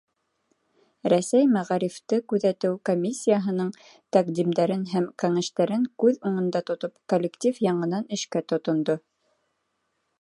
Рәсәй мәғарифты күҙәтеү комиссияһының тәҡдимдәрен һәм кәңәштәрен күҙ уңында тотоп, коллектив яңынан эшкә тотондо.